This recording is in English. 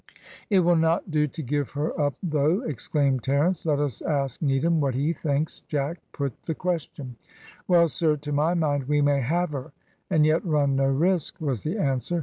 "It will not do to give her up, though!" exclaimed Terence; "let us ask Needham what he thinks." Jack put the question. "Well, sir, to my mind, we may have her, and yet run no risk," was the answer.